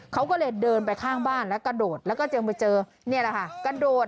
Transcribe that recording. เขาก็เลยเดินไปข้างบ้านแล้วกระโดดแล้วก็จึงไปเจอนี่แหละค่ะกระโดด